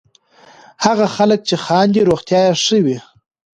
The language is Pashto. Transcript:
هغه خلک چې خاندي، روغتیا یې ښه وي.